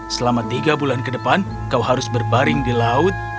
selama tiga bulan ke depan kau harus berbaring di laut